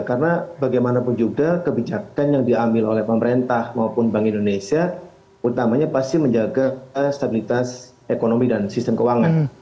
karena bagaimanapun juga kebijakan yang diambil oleh pemerintah maupun bank indonesia utamanya pasti menjaga stabilitas ekonomi dan sistem keuangan